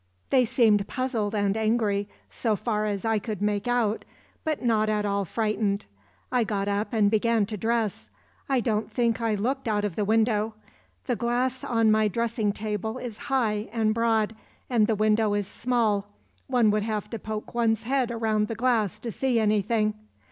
"They seemed puzzled and angry, so far as I could make out, but not at all frightened. I got up and began to dress. I don't think I looked out of the window. The glass on my dressing table is high and broad, and the window is small; one would have to poke one's head round the glass to see anything.